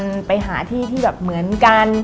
มันไปหาที่ที่แบบเหมือนกัน